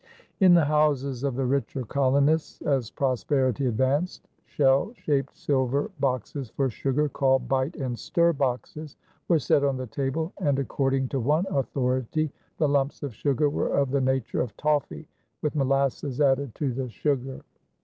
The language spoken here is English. In the houses of the richer colonists, as prosperity advanced, shell shaped silver boxes for sugar, called "bite and stir" boxes, were set on the table and, according to one authority, the lumps of sugar were of the nature of toffy with molasses added to the sugar.